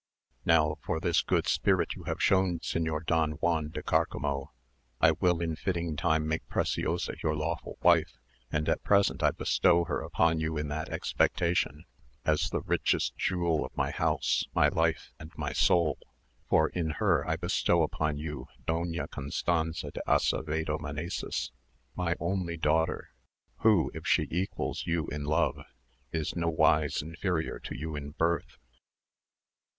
"Now for this good spirit you have shown, Señor Don Juan de Cárcamo, I will in fitting time make Preciosa your lawful wife, and at present I bestow her upon you in that expectation, as the richest jewel of my house, my life, and my soul; for in her I bestow upon you Doña Constanza de Acevedo Menesis, my only daughter, who, if she equals you in love, is nowise inferior to you in birth."